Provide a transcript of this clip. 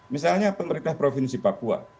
misalnya pemerintah provinsi papua